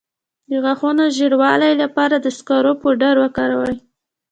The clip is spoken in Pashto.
د غاښونو د ژیړوالي لپاره د سکرو پوډر وکاروئ